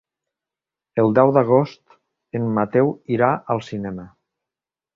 El deu d'agost en Mateu irà al cinema.